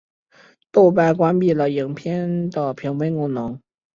豆瓣关闭了影片的评分功能。